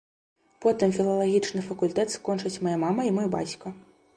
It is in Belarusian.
Потым філалагічны факультэт скончаць мая мама і мой бацька.